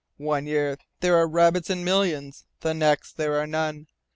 One year there are rabbits in millions, the next there are none.